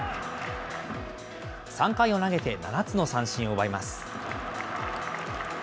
３回を投げて７つの三振を奪います。